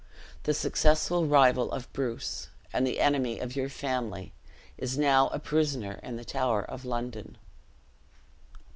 The successful rival of Bruce, and the enemy of your family, is now a prisoner in the Tower of London."